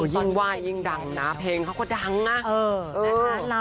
ยิ่งไหว้ยิ่งดังนะเพลงเขาก็ดังนะ